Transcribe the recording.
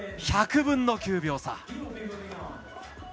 １００分の９秒差。